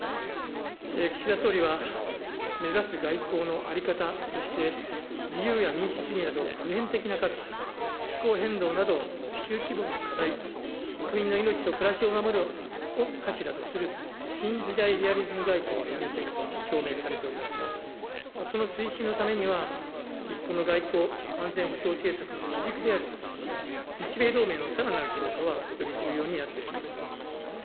岸田総理は目指す外交の在り方として、自由や民主主義など普遍的な価値、気候変動など地球規模の課題、国民の命と暮らしを守るを柱とする新時代リアリズム外交を進めていくと表明されておりますが、その推進のためには、日本の外交・安全保障政策の基軸である日米同盟のさらなる強化はより重要になってきます。